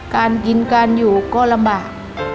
การกินการอยู่ก็ลำบาก